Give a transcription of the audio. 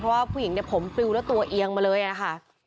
เพราะว่าผู้หญิงเนี่ยผมปลิวแล้วตัวเอียงมาเลยนะคะ